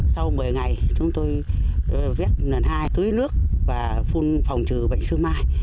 sau một mươi ngày chúng tôi viết lần hai tưới nước và phun phòng trừ bệnh sư mai